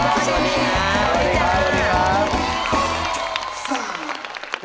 สวัสดีครับ